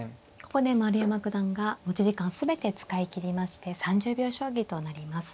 ここで丸山九段が持ち時間全て使い切りまして３０秒将棋となります。